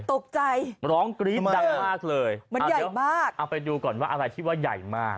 ตกใจร้องกรี๊ดดังมากเลยมันใหญ่มากเอาไปดูก่อนว่าอะไรที่ว่าใหญ่มาก